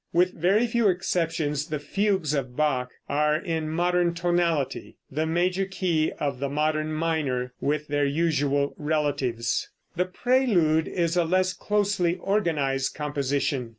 With very few exceptions the fugues of Bach are in modern tonality, the major key or the modern minor, with their usual relatives. The prelude is a less closely organized composition.